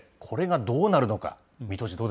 これがどうなるのか、見通し